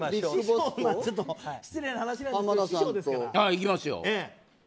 いきますよ。